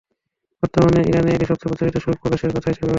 বর্তমান ইরানে এটি সবচেয়ে প্রচলিত শোক প্রকাশের প্রথা হিসেবে ব্যবহৃত হচ্ছে।